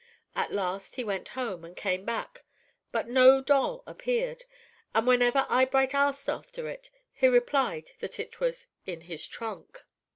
At last, he went home and came back, but no doll appeared and whenever Eyebright asked after it, he replied that it was "in his trunk."